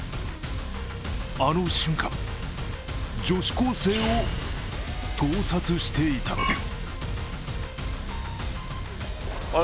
あの瞬間、女子高生を盗撮していたのです。